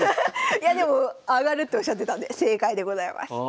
いやでも上がるっておっしゃってたんで正解でございます。